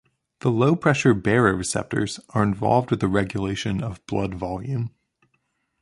The low-pressure baroreceptors are involved with the regulation of blood volume.